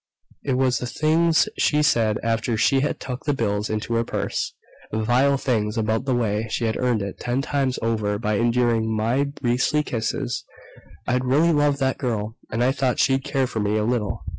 It was the things she said, after she had tucked the bills into her purse ... vile things, about the way she had earned it ten times over by enduring my beastly kisses. I'd really loved that girl, and I'd thought she'd cared for me a little.